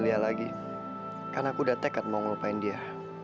saya tekad mau ngelupain dia